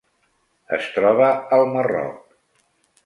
Es troba al Marroc.